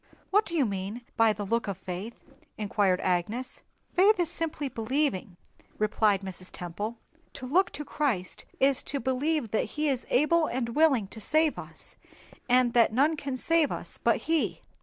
"What do you mean by the look of faith?" inquired Agnes. "Faith is simply believing," replied Mrs. Temple. "To look to Christ is to believe that He is able and willing to save us, and that none can save us but He."